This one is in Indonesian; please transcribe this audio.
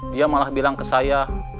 dia malah bilang ke saya